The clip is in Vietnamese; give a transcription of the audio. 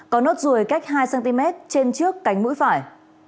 có nốt ruồi cách hai cm trên trước cánh mũi phải